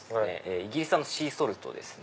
イギリス産のシーソルトですね